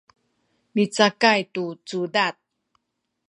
micakay tu cudad